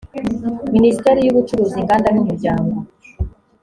minisiteri y ubucuruzi inganda n umuryango